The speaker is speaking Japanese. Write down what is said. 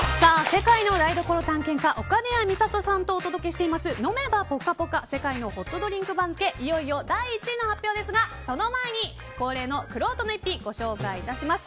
世界の台所探検家岡根谷実里さんとお届けしています飲めばポカポカ世界のホットドリンク番付いよいよ第１位の発表ですがその前に、恒例のくろうとの逸品ご紹介いたします。